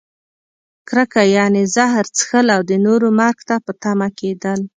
کرکه؛ یعنې زهر څښل او د نورو مرګ ته په تمه کیدل.